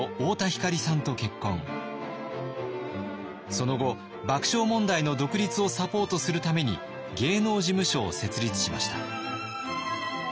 その後爆笑問題の独立をサポートするために芸能事務所を設立しました。